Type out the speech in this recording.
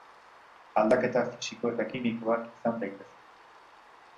Aldaketa fisiko edo kimikoak izan daitezke.